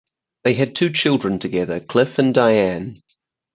They had two children together, Cliff and Diane.